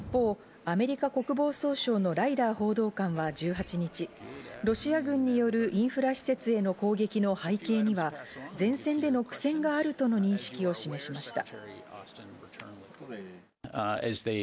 一方、アメリカ国防総省のライダー報道官は１８日、ロシア軍によるインフラ施設への攻撃の背景には、前線での苦戦があるとの認識を示しました。